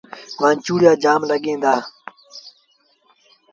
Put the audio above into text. وآنچوڙيآ جآم لڳيٚن دآ۔